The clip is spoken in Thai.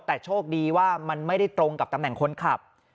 แต่โชคดีว่ามันไม่ได้ตรงกับตำแหน่งคนขับ